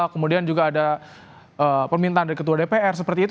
kemudian juga ada permintaan dari ketua dpr seperti itu